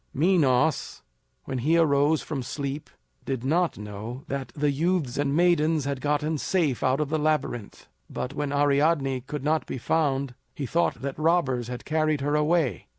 Minos, when he arose from sleep, did not know that the youths and maidens had gotten safe out of the Labyrinth. But when Ariadne could not be found, he thought that robbers had carried her away.